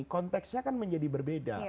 konteksnya kan menjadi berbeda